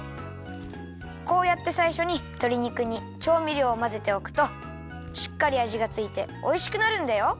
こうやってさいしょにとり肉にちょうみりょうをまぜておくとしっかりあじがついておいしくなるんだよ。